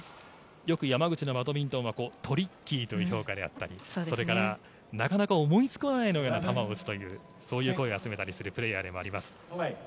よく山口のバドミントンはトリッキーという評価だったりそれからなかなか思いつかないような球を打つというそういう声を集めたりするプレーヤーでもあります。